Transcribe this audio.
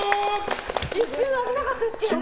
一瞬、危なかったですけどね。